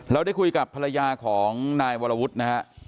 เราได้คุยกับภรรยาของนายวรวุฒินะฮะ